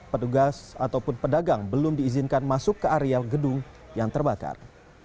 petugas ataupun pedagang belum diizinkan masuk ke area gedung yang terbakar